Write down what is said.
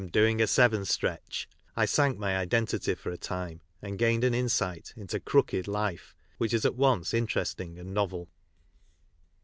"doing a seven stretch," I sank my identity for a time, and gained an insight into " crooked" life which is at once interesting and novel.